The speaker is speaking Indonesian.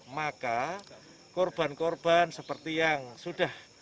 maka korban korban seperti yang sudah